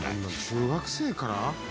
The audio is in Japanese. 中学生から。